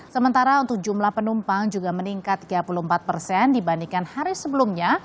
sementara untuk jumlah penumpang juga meningkat tiga puluh empat persen dibandingkan hari sebelumnya